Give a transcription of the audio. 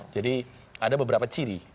jadi ada beberapa ciri